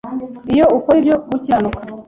iyo ukora ibyo gukiranuka